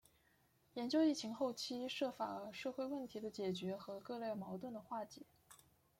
研究疫情后期涉法社会问题的解决和各类矛盾的化解